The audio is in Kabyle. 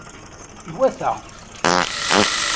Iwata!